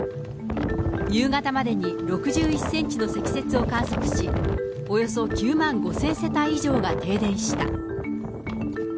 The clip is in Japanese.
夕方までに６１センチの積雪を観測し、およそ９万５０００世帯以上が停電した。